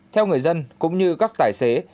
theo người dân cũng như các tài xế